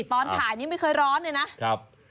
ตอนขายยังไม่เคยร้อนเลยนะ